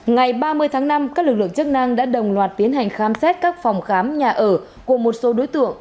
ngày ba mươi tháng năm các lực lượng chức năng đã đồng loạt tiến hành khám xét các phòng khám nhà ở của một số đối tượng